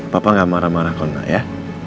papa gak marah marah kalau nggak ya